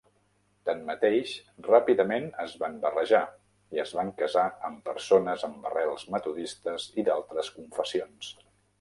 Tanmateix, ràpidament es van barrejar i es van casar amb persones amb arrels metodistes i d'altres confessions.